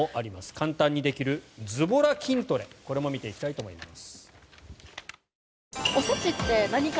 簡単にできるズボラ筋トレこれも見ていきたいと思います。